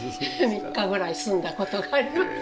３日ぐらい住んだことがあります。